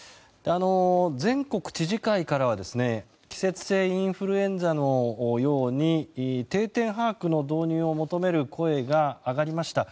全国知事会からは季節性インフルエンザのように定点把握の導入を求める声が上がりました。